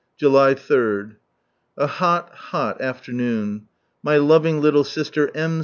July 3. — A hot, hot afternoon. My loving little Bister M.